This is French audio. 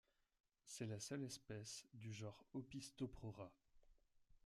C'est la seule espèce du genre Opisthoprora.